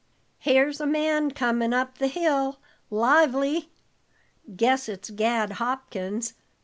"Here's a man comin' up the hill, lively!" "Guess it's Gad Hopkins.